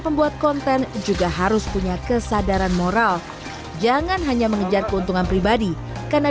pembuat konten juga harus punya kesadaran moral jangan hanya mengejar keuntungan pribadi karena